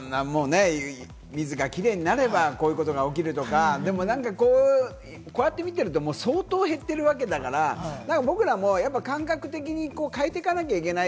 水がキレイになれば、こういうことが起きるとか、こうやってみていると相当減っているわけだから、僕らも感覚的に変えていかなきゃいけない。